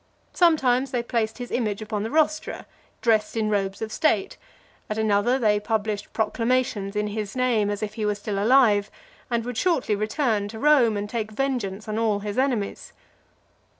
Sometimes they placed his image upon the rostra, dressed in robes of state; at another, they published proclamations in his name, as if he were still alive, and would shortly return to Rome, and take vengeance on all his enemies.